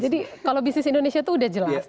ya jadi kalau bisnis indonesia itu udah jelas